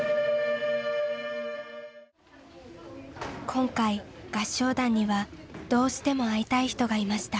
今回合唱団にはどうしても会いたい人がいました。